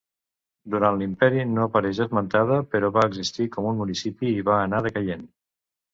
Durant l'Imperi no apareix esmentada però va existir com un municipi i va anar decaient.